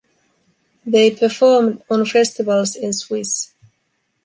They performed on festivals in Swiss.